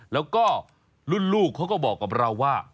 แล้วก็รุ่นลูกเขาก็บอกกับเราว่า